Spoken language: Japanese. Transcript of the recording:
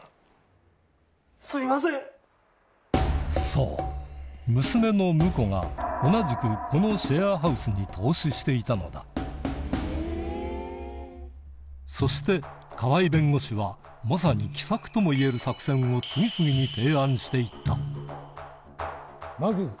そう娘の婿が同じくこのシェアハウスに投資していたのだそして河合弁護士はまさに奇策ともいえる作戦を次々に提案して行った銀行を。